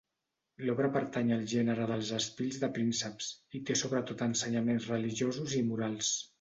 L'obra pertany al gènere dels espills de prínceps, i té sobretot ensenyaments religiosos i morals.